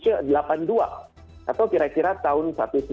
jujur delapan puluh dua atau kira kira tahun seribu sembilan ratus sembilan puluh tiga